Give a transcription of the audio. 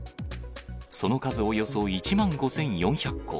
その数およそ１万５４００個。